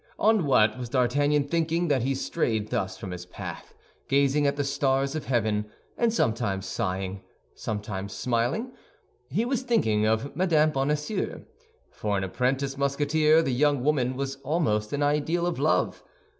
On what was D'Artagnan thinking, that he strayed thus from his path, gazing at the stars of heaven, and sometimes sighing, sometimes smiling? He was thinking of Mme. Bonacieux. For an apprentice Musketeer the young woman was almost an ideal of love.